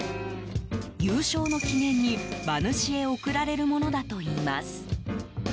優勝の記念に、馬主へ贈られるものだといいます。